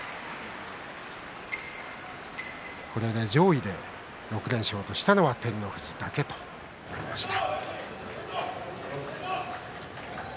これで上位で６連勝したのは照ノ富士だけとなりました。